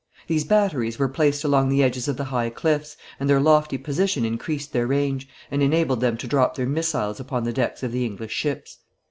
These batteries were placed along the edges of the high cliffs, and their lofty position increased their range, and enabled them to drop their missiles upon the decks of the English ships.